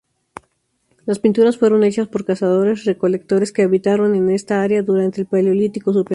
Las pinturas fueron hechas por cazadores-recolectores que habitaron esa área durante el Paleolítico Superior.